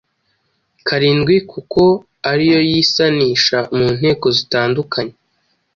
karindwi kuko ari yo yisanisha mu nteko zitandukanye